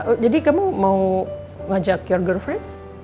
oh jadi kamu mau ngajak teman wanita kamu